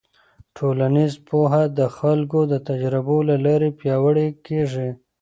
ټولنیز پوهه د خلکو د تجربو له لارې پیاوړې کېږي.